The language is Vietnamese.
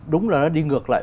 đúng là nó đi ngược lại